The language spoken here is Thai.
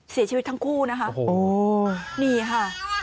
เสียชีวิตทั้งคู่นะครับนี่ค่ะ